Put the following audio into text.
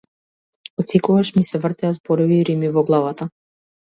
Отсекогаш ми се вртеа зборови и рими во главата.